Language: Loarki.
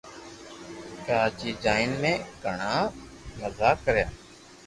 ڪراچي جائين مي گِھڙا مزا ڪريا